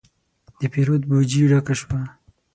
د پیرود بوجي ډکه شوه.